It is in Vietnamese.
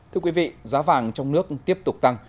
thưa quý vị giá vàng trong nước tiếp tục tăng